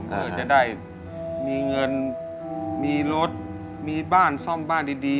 เพื่อจะได้มีเงินมีรถมีบ้านซ่อมบ้านดี